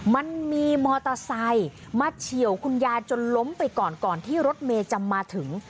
มันมีมอเตอร์ไซค์มาเฉียวคุณยายจนล้มไปก่อนก่อนที่รถเมย์จะมาถึง